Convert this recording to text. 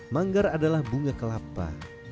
manggar adalah bunga kelapa